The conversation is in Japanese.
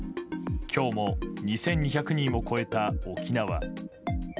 今日も２２００人を超えた沖縄。